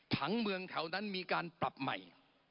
ผังเมืองแถวนั้นมีการปรับใหม่